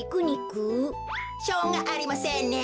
しょうがありませんね。